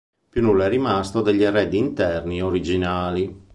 Più nulla è rimasto degli arredi interni originali.